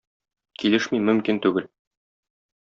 Килешми мөмкин түгел.